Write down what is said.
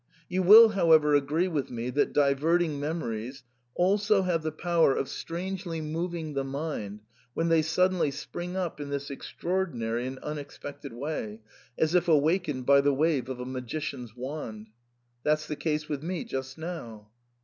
You will, however, agree with me that diverting memories also have the power of strangely moving the mind when they suddenly spring up in this extraordinary and unexpected way, as if awakened by the wave of a magician's wand. That's the case with me just now."